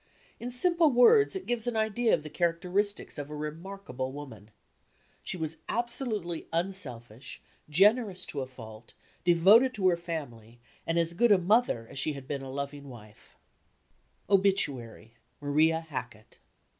In simple words it gives an idea of the characteristics of a remarkable woman. She was abso lutely unselfish, generous to a fault, SKETCHES OF TRAVEL devoted to her family and as good a mother as she had been a loving wife : OBITUARY. Maria Hackett.